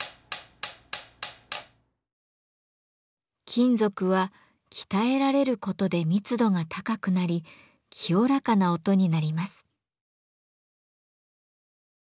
金属は鍛えられることで密度が高くなり清らかな音になります。